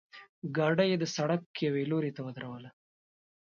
ګاډۍ یې د سړک یوې لورته ودروله.